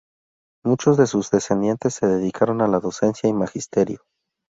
Muchos de sus descendientes se dedicaron a la docencia y magisterio.